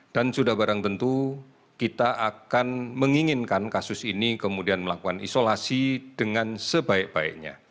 dan sudah barang tentu kita akan menginginkan kasus ini kemudian melakukan isolasi dengan sebaik baiknya